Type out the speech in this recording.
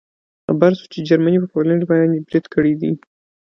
خبر شوو چې جرمني په پولنډ باندې برید کړی دی